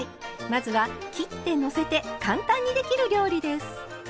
まずは切ってのせて簡単にできる料理です。